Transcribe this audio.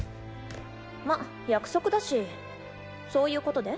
ま約束だしそういうことで？